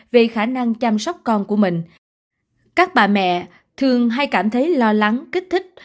về khả năng chăm sóc con của mình các bà mẹ thường hay cảm thấy lo lắng kích thích